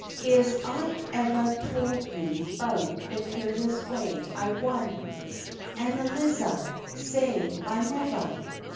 Is I evah tole you 'bout de curious way I won Anna Liza? Say, I nevah?